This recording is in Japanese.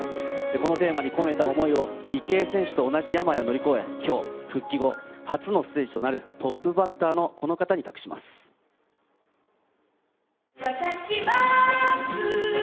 このテーマに込めた思いを、池江選手と同じ病を乗り越え、きょう、復帰後、初のステージとなる、トップバッターのこの方に託します。